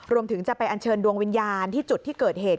จะไปอัญเชิญดวงวิญญาณที่จุดที่เกิดเหตุ